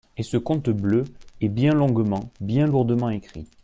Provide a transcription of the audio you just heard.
Et ce conte bleu est bien longuement, bien lourdement écrit.